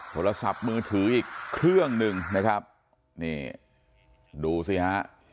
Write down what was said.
โทรศัพท์มือถืออีกเครื่องหนึ่งนะครับนี่ดูสิฮะ